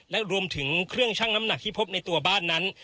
และรวมถึงเครื่องชั่งน้ำหนักที่พบในตัวบ้านนั้น